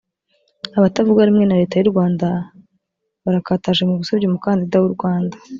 Abatavuga rumwe na Leta y’u Rwanda barakataje mu gusebya umukandida w’u Rwanda